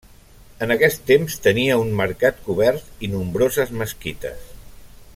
En aquest temps tenia un mercat cobert i nombroses mesquites.